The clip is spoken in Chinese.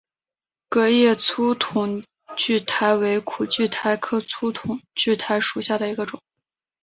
革叶粗筒苣苔为苦苣苔科粗筒苣苔属下的一个种。